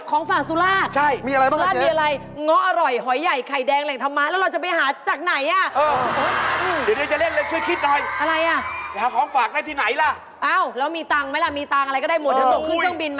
ของฝากสุราชใช่มีอะไรบ้างคะเฮีย